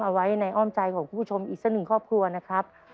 เอาไว้ในอ้อมใจของคุณผู้ชมอีกสักหนึ่งครอบครัวนะครับ